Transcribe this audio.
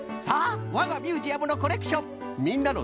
さあわがミュージアムのコレクション。